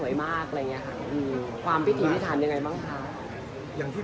อย่างที่บอกนะครับผมไม่เคยทำงานแบบนี้